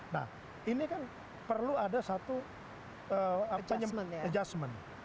nah ini kan perlu ada satu adjustment